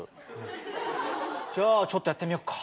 じゃあちょっとやってみよっか。